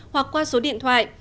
hoặc qua số điện thoại